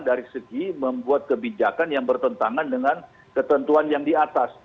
dari segi membuat kebijakan yang bertentangan dengan ketentuan yang di atas